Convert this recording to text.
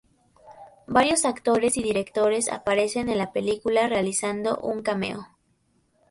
Varios actores y directores aparecen en la película realizando un cameo.